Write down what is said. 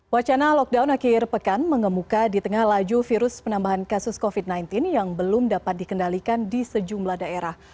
wacana lockdown akhir pekan mengemuka di tengah laju virus penambahan kasus covid sembilan belas yang belum dapat dikendalikan di sejumlah daerah